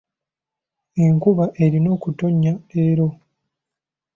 Enkuba erina okutonnya leero.